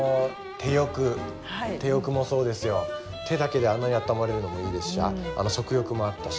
手だけであんなにあったまれるのもいいですし足浴もあったし。